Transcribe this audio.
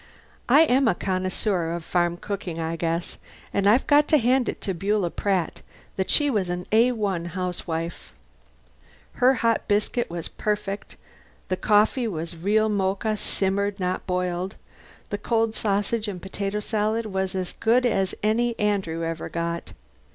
I am a connoisseur of farm cooking, I guess, and I've got to hand it to Beulah Pratt that she was an A 1 housewife. Her hot biscuit was perfect; the coffee was real Mocha, simmered, not boiled; the cold sausage and potato salad was as good as any Andrew ever got.